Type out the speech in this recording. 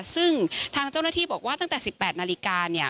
ซึ่งทางเจ้าหน้าที่บอกว่าตั้งแต่๑๘นาฬิกาเนี่ย